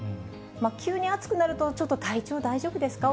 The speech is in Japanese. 急に暑くなると、ちょっと体調、大丈夫ですか？